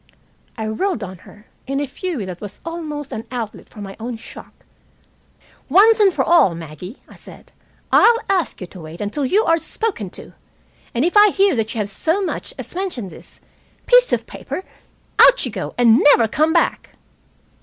I whirled on her, in a fury that was only an outlet for my own shock. "Once for all, Maggie," I said, "I'll ask you to wait until you are spoken to. And if I hear that you have so much as mentioned this piece of paper, out you go and never come back."